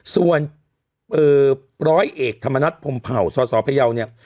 ส่วนร้อยเอกธรรมนัฐพรมเผ่าสสพยาวเนี่ย